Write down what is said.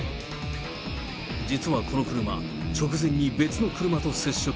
実はこの車、直前に別の車と接触。